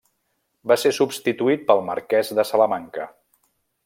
Va ser substituït pel marquès de Salamanca.